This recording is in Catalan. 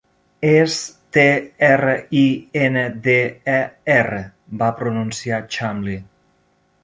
És T-R-I-N-D-E-R, va pronunciar Chumley.